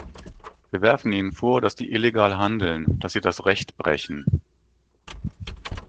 Wir werfen Ihnen vor, dass Sie illegal handeln, dass Sie das Recht brechen.